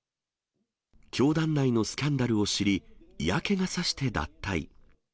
教団内のスキャンダルを知り、嫌気がさして脱退。